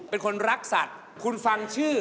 เป็นคนรักสัตว์คุณฟังชื่อ